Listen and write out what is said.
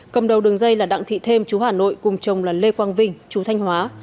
cầm đầu đường dây là đặng thị thêm chú hà nội cùng chồng là lê quang vinh chú thanh hóa